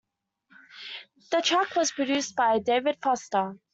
The track was produced by David Foster.